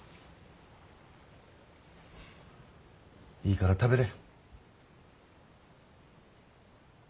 いいから食べれ。